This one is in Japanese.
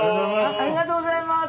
ありがとうございます。